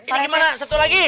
ini gimana satu lagi